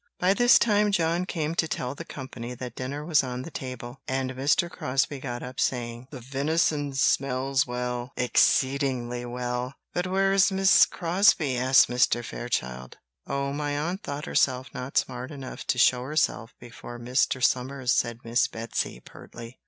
By this time John came to tell the company that dinner was on the table; and Mr. Crosbie got up, saying: "The venison smells well exceedingly well." "But where is Miss Crosbie?" asked Mr. Fairchild. "Oh, my aunt thought herself not smart enough to show herself before Mr. Somers," said Miss Betsy pertly.